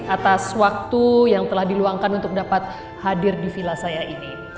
atas waktu yang telah diluangkan untuk dapat hadir di villa saya ini